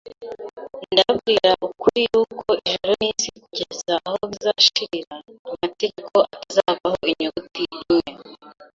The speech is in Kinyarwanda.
ndababwira ukuri yuko ijuru n’isi kugeza aho bizashirira, amategeko atazavaho inyuguti imwe